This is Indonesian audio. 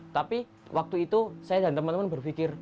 tapi waktu itu saya dan teman teman berpikir